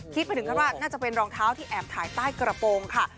ไปถึงกันว่าน่าจะเป็นรองเท้าที่แอบถ่ายใต้กระโปรงค่ะ